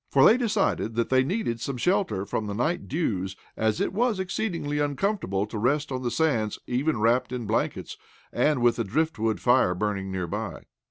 For they decided that they needed some shelter from the night dews, as it was exceedingly uncomfortable to rest on the sands even wrapped in blankets, and with a driftwood fire burning nearby.